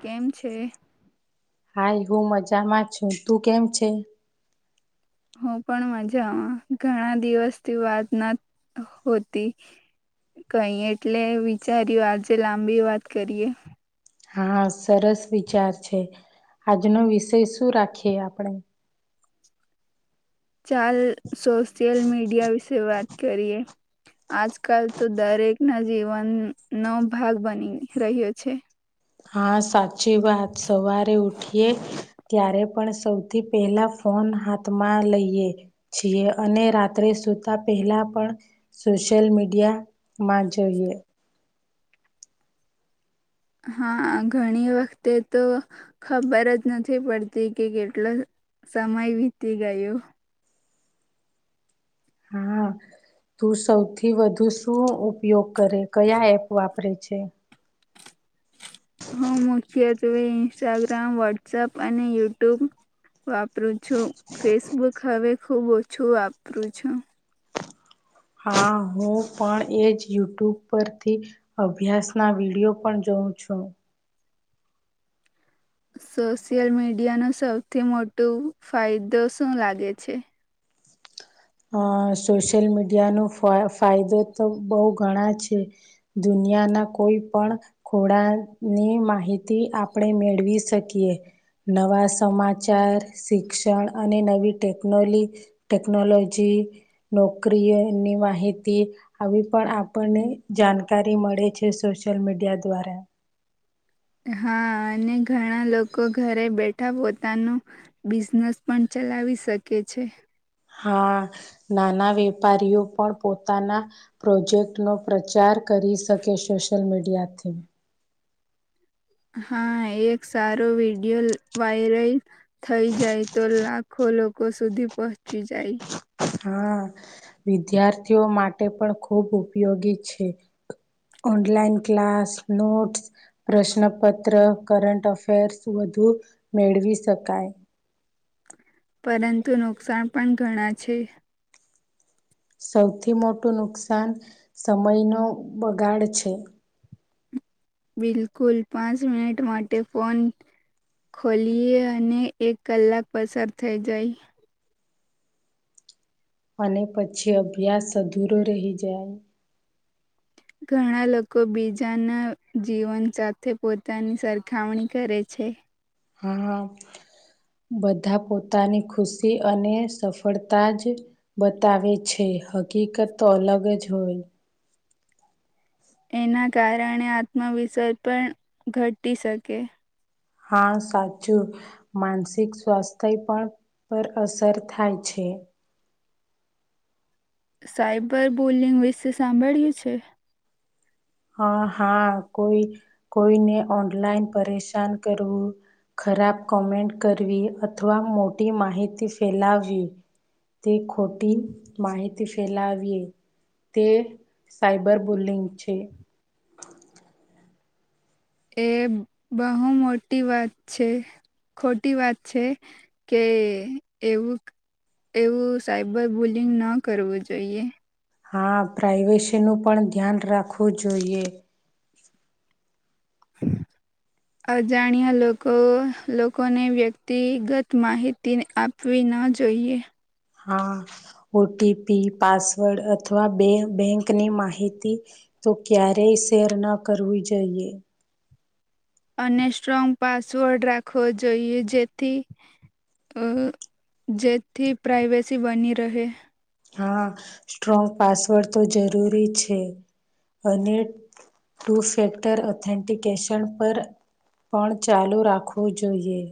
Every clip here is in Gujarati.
કેમ છે હાઈ હું મજામાં છું તું કેમ છે હુ પણ મજામાં ઘણા દિવસ થી વાત ના હોતી કઈ એટલે વિચાર્યું આજે લાંબી વાત કરીએ હા સરસ વિચાર છે આજનો વિષય શું રાખીએ આપણે ચાલ સોશિયલ મીડિયા વિશે વાત કરીએ આજકાલ તો દરેક ના જીવનનોોભાગ બની રહ્યો છે હા સાચી વાત સવારે ઉઠ ત્યારે પણ સૌથી પહેલા ફોન હાથમાં લઈએ છીએ અને અને રાત્રે સૂતા પહેલાં પણ સોશિયલ મીડિયામાં જોઈએ હા ઘણી વખતે તો ખબર જ નથી પડતી કે કેટલો સમય વીતી ગયું હા તું સૌથી વધુ શું ઉપયોગ કરે કયા એપ વાપરે છે હું મુખ્યત્વે ઇન્સ્ટાગ્રામ વોટ્સપ અને યુટ્યુબ વાપરું છું ફેસબુક હવે ખુબ ઓછું વાપરું છું હા હું પણ એજ યુટ્યુબ પરથી અભ્યાસ ના વિડીયો પણ જોઉ પૂછો સોશિયલ મીડિયાનો સૌથી મોટું ફાયદો શું લાગે છે અ સોશિયલ મીડિયા નો ફાયદો તો બહુ ઘણા છે દુનિયા દુનિયાના કોઈ પણ ખોડાની માહિતી આપણે મેળવી શકીએ નવા સમાચાર શિક્ષણ અને નવી ટેકનોલી ટેકનોલોજી નોકરીની માહિતી આવી પણ આપને જાણકારી મળે પડે છે સોશિયલ મીડિયા દ્વારા હા અને ઘણા લોકો ઘરે બેઠા પોતાનું બિઝનેસ પણ ચ ચલાવી શકે છે હા નાના વેપારીઓ પણ પોતાના પ્રોજેક્ટ નો પ્રચાર કરી શકે સોશિયલ મીડિયાથી હા એક સારો વિડિયો વાયરલ થઈ જાય તો લાખો લોકો સુધી પહોંચી જાય હા વિદ્યાર્થીઓ માટે પણ ખૂબ ઉપયોગી છે ઓનલાઈન ક્લાસ નોટ્સ પ્રશ્નપત્ર કરંન્ટ અફેર્સ બધું વધુ મેળવી શકાય. પરંતુ નુકસાન પણ ઘણા છે. સૌથી મોટું નુકસાન સમયનો બગાડ છે. બિલકુલ પાંચ મિનિટ માટે ફોન ખોલીએ અને એક કલાક પસાર થઈ જાય. અને પછી અભ્યાસ અધૂરો રહી જાય. ઘણા લોકો બીજાના જીવન સાથે પોતાની સરખામણી કરે છે. છે. હા હા. બધા પોતાની ખુશી અને સફળતા જ બતાવે છે. હકીકત તો અલગ જ હોય. એના કારણે આત્મવિશ્વાસ પણ ઘટી શકે. હા સાચું માનસિક સ્વાસ્થ્ય પણ પર અસર થાય છે. સાયબર બુલિન વિશે સાંભળ્યું છે? હા હા કોઈ કોઈને ઓનલાઈન પરેશાન કરવું. ખરાબ કોમેન્ટ કરવી અથવા મોટી માહિતી ફેલાવવી. તે ખોટી માહિત ફેલાવીએ. તે સાયબર બુલિંગ છે. એ બહુ મોટી વાત છે. ખોટી વાત છે કે એવું એવું સાયબર બુલિંગ ન કરવું જોઈએ. હા પ્રાઈવેસી નું પણ ધ્યાન રાખવું જોઈએ. હમ. અજાણ્યા લોકોને વ્યક્તિગત માહિતી આપવી. ના જોઈએ. હા ઓટીપી પાસવર્ડ અથવા બેંકની માહિતી. તો ક્યારેય શેર ના કરવી જોઈએ. અને સ્ટ્રોંગ પાસવર્ડ રાખવો જોઈએ જેથી અ જેથી પ્રાઈવેસી બની રહે. હા સ્ટ્રોંગ પાસવર્ડ તો જરૂરી છે અને ટુ ફેક્ટર ઓથેન્ટિકેશન પણ પણ ચાલુ રાખવું જોઈએ.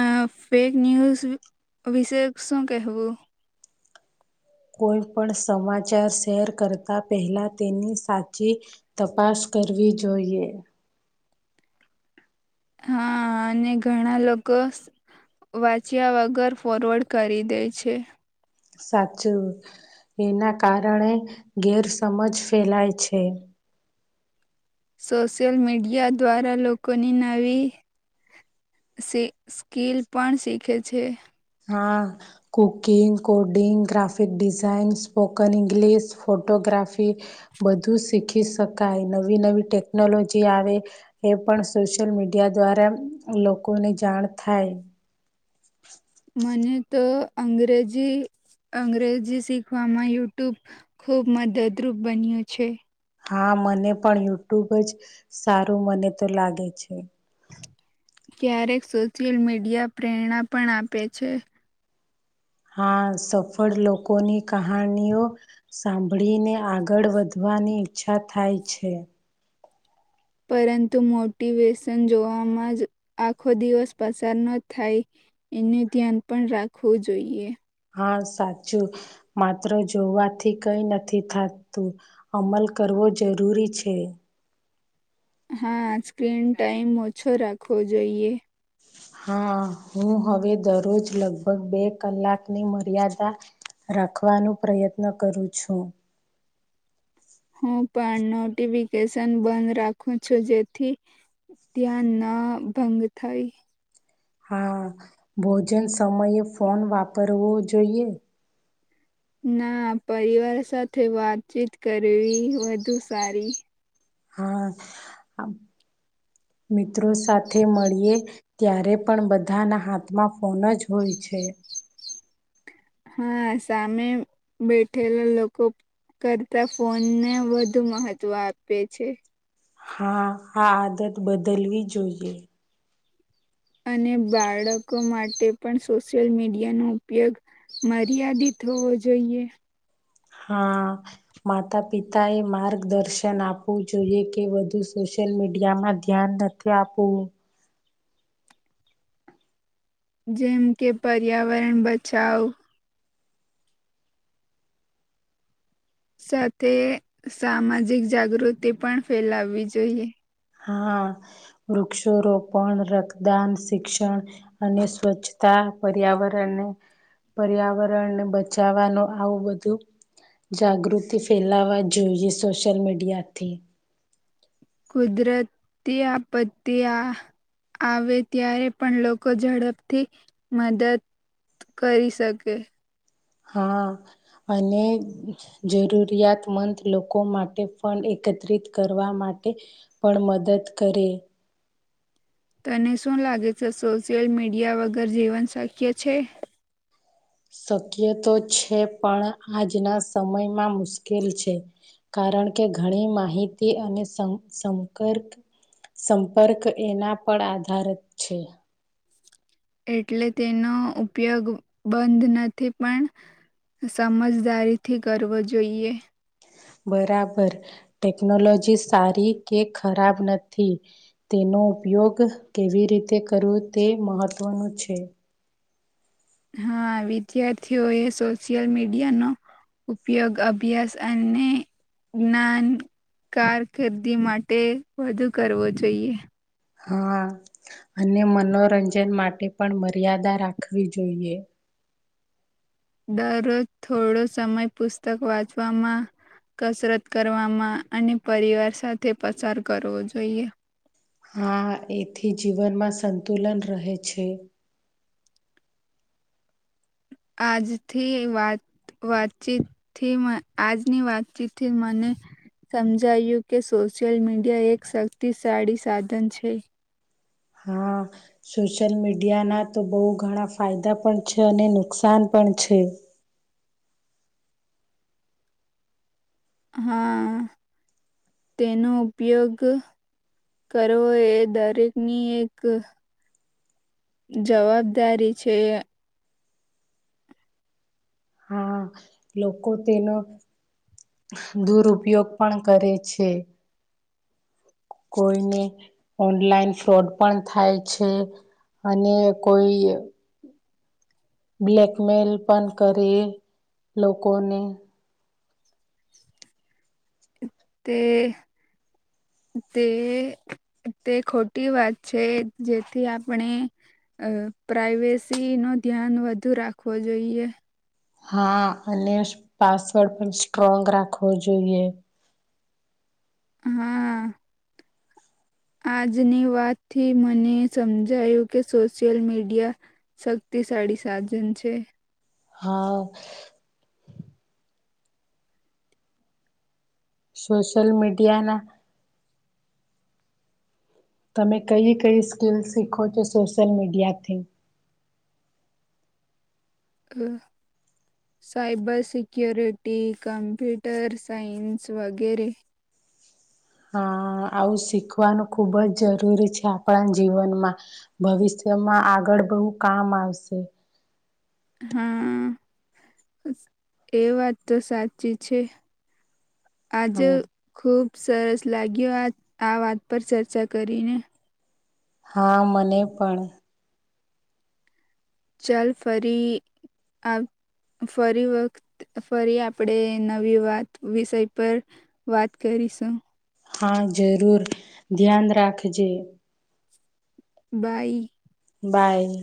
અ ફેક ન્યૂઝ વિશે શું કહેવું? કોઈ પણ સમાચાર શેર કરતા પહેલા તેની સાચી તપાસ કરવી જોઈએ. હા અને ઘણા લોકો વાંચ્યા વગર ફોરવર્ડ કરી દે છે. સાચું. એના કારણે ગેરસમજ ફેલાય છે. સોશિયલ મીડિયા દ્વારા લોકોની નવી સ્કીલ પણ શીખે છે. હા cooking, coding, graphic design spoken English, photography ગ્રાફી બધું શીખી શકાય નવી નવી ટેકનોલોજી આવે એ પણ સોશિયલ મીડિયા દ્વારા લોકોને જાણ થાય. મને તો અંગ્રેજી અંગ્રેજી શીખવામાં યુટ્યુબ ખુબ મદદરૂપ બન્યું છે. હા મને પણ યુટ્યુબ જ સારું મને તો લાગે છે. ક્યારેક સોશિયલ મીડિયા પ્રેરણા પણ આપે છે. હા સફળ લોકોની કહાનીઓ સાંભળીને આગળ વધવ વાની ઈચ્છા થાય છે. પરંતુ મોટિવેશન જોવામાં જ આખો દિવસ પસાર ન થાય એનું ધ્યાન પણ રાખવું જોઈએ. હા સાચું માત્ર જોવાથી કઈ નથી થાતું અમલ કર હોવો જરૂરી છે. હા સ્ક્રીન ટાઈમ ઓછો રાખવો જોઈએ. હા હું હવે દરરોજ લગભગ બે કલાકની મર્યાદા રાખવાનો પ્રયત્ન કરું છું. હું પણ નોટિફિકેશન બંધ રાખું છું જેથી ત્યાં ના ભંગ થાઈ હા ભોજન સમયે ફોન વાપરવો જોઈએ? ના પરિવાર સાથે વાતચીત કરવી વધુ સારી હા. મિત્રો સાથે મળીએ ત્યારે પણ બધાના હાથમાં ફોન જ હોય છે. [inaudible] હા સામે બેઠેલા લોકો કરતા ફોનને વધુ મહત્વ આપે છે. હા આ આદત બદલવી જોઈએ. અને બાળકો માટે પણ સોશિયલ મીડિયાનો ઉપયોગ મર્યાદિત હોવો જોઈએ. હા માતા-પિતા એ માર્ગદર્શન આપવું જોઈએ કે વધુ સોસ શલ મીડિયામાં ધ્યાન નથી આપવું જેમ કે પર્યાવરણ બચાવ સાથે સામાજિક જાગૃતિ પણ ફેલાવવી જોઈએ. હા વૃક્ષ રોપણ, રક્તદાન, શિક્ષણ અને સ્વચ્છતા પર્યાવરણને પર્યાવરણને બચાવવાનું આવું બધું જાગૃતિ ફેલાવા જોઈએ સોશિયલ મીડિયાથી કુદરતી આપતી આ આવે ત્યારે પણ લોકો ઝડપથી મદદ કરી શકે હા અને જરૂરિયાતમંદ લોકો માટે પણ એક એકત્રિત કરવા માટે પણ મદદ કરે તને શું લાગે છે, સોશિયલ મીડિયા વગર જીવન શક્ય છે? શક્ય તો છે, પણ આજના સમયમાં મુશ્કેલ છે. કારણ કે ઘણી માહિતી અને સ સંકર્ક સંપર્ક એના પર આધારત છે. એટલે તેનો ઉપયોગ બંધ નથી પણ સમજદારીથી કરવો જોઈએ. બરાબર ટેકનોલોજી સારી કે ખરાબ નથી તેનો નો ઉપયોગ કેવી રીતે કરવો તે મહત્ત્વનું છે. હા વિદ્યાર્થીઓએ સોશિયલ મીડિયાનો ઉપયોગ અભ્યાસ અને જ્ઞાન કારકિર્દી માટે વધુ કરવો જોઈએ. હા. અને મનોરંજન માટે પણ મર્યાદા રાખવી જોઈએ. દરરોજ થોડો સમય પુસ્તક વાંચવામાં કસરત કરવામાં અને પરિવાર સાથે પસાર કરવો જોઈએ. હા એથી જીવનમાં સંતુલન રહે છે. આજથી વાત વાતચીત થી આજની વાતચીત થી મને સમજાયું કે સોશિયલ મીડિયા એક શક્તિશાળી સાધન છે હા સોશિયલ મીડિયા ના તો બહુ ઘણા ફાયદા પણ છે અને નુકસાન પણ પ છેી [unintelligible] હા તેનો ઉપયોગ કરવો એ દરેકની એક જવાબદારી છે હા લોકો તેનો દુરપયોગ પણ કરે છે કોઈને ઓનલાઈન ફ્રોડ પણ થાય છે અને કોઈ બ્લેકમેલ પણ કરી લોકોને તે તે તે ખોટી વાત છે જેથી આપણે અ પ્રાઈવેસી નો ધ્યાન વધુ રાખવો જોઈએ હા અને પાસવર્ડ પણ સ્ટ્રોંગ રાખવો જોઈએ હા આજની વાતથી મને સમજાયું કે સોશિયલ મીડિયા શક્તિ સાડી સાત જન છે હા સોશ્યલ મીડિયાના તમે કઈ કઈ સ્કીિલ શીખો છો સોશિયલ મીડિયાથી [unintelligible] સાઈબર સિક્ય્યોરિટી કમ્પ્યુટર સાયન્સ વગેરે હા આવું શીખવાનું ખુબ જ જરૂરી છે આપણા જીવનમાં ભવિષ્ય જેમાં આગળ બહુ કામ આવશે હા એ વાત તો સાચી છે આજે હા ખુબ સરસ લાગ્યો આ આ વાત પર ચર્ચા કરીને હા મને પણ ચાલ ફરી અબ ફરી વખત ફરી આપડે નવી વાત વિષય પર વાત કરી તસો હા જરૂર ધ્યાન રાખજે બઈ બાય